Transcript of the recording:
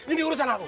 ini urusan aku